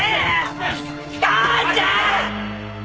母ちゃん！